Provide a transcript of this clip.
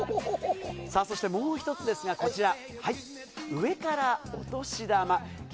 さあ、そしてもう一つですが、こちら、上からおとし玉。